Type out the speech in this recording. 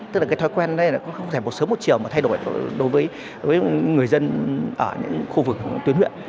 tức là cái thói quen này cũng không thể một sớm một chiều mà thay đổi đối với người dân ở những khu vực tuyến huyện